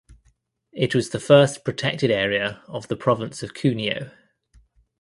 It was the first protected area of the Province of Cuneo.